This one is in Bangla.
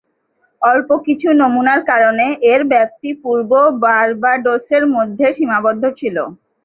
অল্প কিছু নমুনার কারণে এর ব্যাপ্তি পূর্ব বার্বাডোসের মধ্যে সীমাবদ্ধ ছিল।